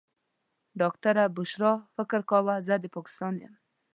ډاکټره بشرا فکر کاوه زه د پاکستان یم.